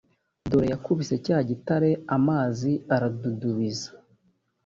dore yakubise cya gitare amazi aradudubiza